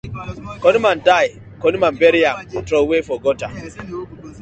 Cunny man die, cunny man bury am troway for gutter.